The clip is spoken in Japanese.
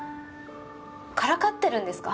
からかってるんですか？